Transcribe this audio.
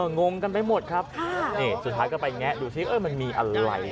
งงกันไปหมดครับนี่สุดท้ายก็ไปแงะดูซิมันมีอะไร